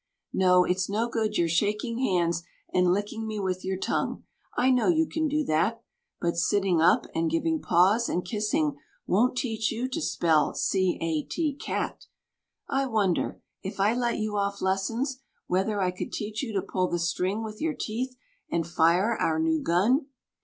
No, it's no good your shaking hands and licking me with your tongue, I know you can do that; But sitting up, and giving paws, and kissing, won't teach you to spell C A T, Cat. I wonder, if I let you off lessons, whether I could teach you to pull the string with your teeth, and fire our new gun?